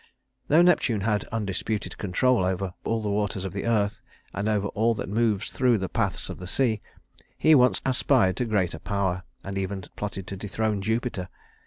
Though Neptune had undisputed control over all the waters of the earth, and over all that moves through the paths of the sea, he once aspired to greater power, and even plotted to dethrone Jupiter.